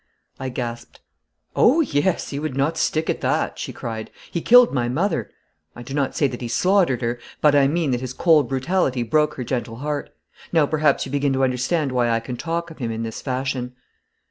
I gasped. 'Oh, yes, he would not stick at that!' she cried. 'He killed my mother. I do not say that he slaughtered her, but I mean that his cold brutality broke her gentle heart. Now perhaps you begin to understand why I can talk of him in this fashion.'